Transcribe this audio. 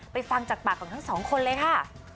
ฟังจากปากของทั้งสองคนเลยค่ะ